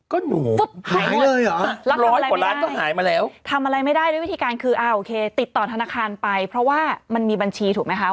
ก็หายเลยเหรอทำอะไรไม่ได้ด้วยวิธีการคือติดต่อธนาคารไปเพราะว่ามันมีบัญชีถูกไหมคะ